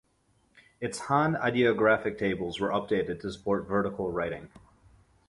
Its Han Ideographic tables were updated to support vertical writing.